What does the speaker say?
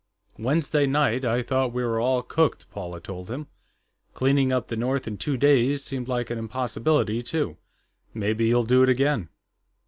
"Wednesday night, I thought we were all cooked," Paula told him. "Cleaning up the north in two days seemed like an impossibility, too. Maybe you'll do it again."